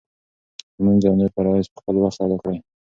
لمونځ او نور فرایض په خپل وخت ادا کړه.